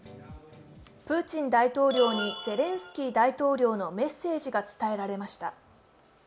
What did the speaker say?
プーチン大統領にゼレンスキー大統領のメッセージが伝えられました。